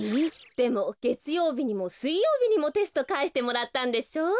でもげつようびにもすいようびにもテストかえしてもらったんでしょ？